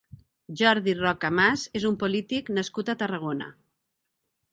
Jordi Roca Mas és un polític nascut a Tarragona.